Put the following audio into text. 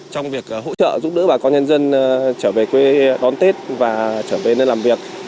trong việc hỗ trợ giúp đỡ bà con nhân dân trở về quê đón tết và trở về nơi làm việc